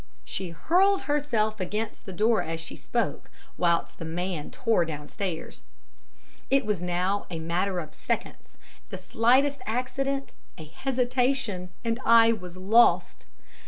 She hurled herself against the door as she spoke, whilst the man tore downstairs. "It was now a matter of seconds, the slightest accident, a hesitation, and I was lost.